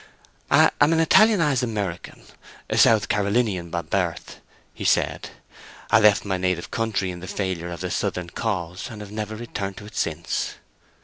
"I am an Italianized American, a South Carolinian by birth," he said. "I left my native country on the failure of the Southern cause, and have never returned to it since."